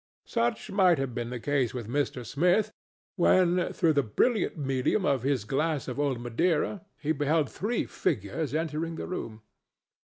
Such might have been the case with Mr. Smith, when, through the brilliant medium of his glass of old Madeira, he beheld three figures entering the room.